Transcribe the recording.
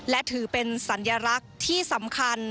และถือเป็นสัญลักษณ์ที่สำคัญ